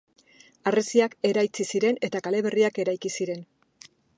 Harresiak eraitsi ziren eta kale berriak eraiki ziren.